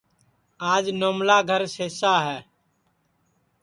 آج نوملا گھرا سئسا ہے